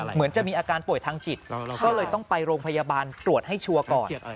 เหมือนจะมีอาการป่วยทางจิตก็เลยต้องไปโรงพยาบาลตรวจให้ชัวร์ก่อน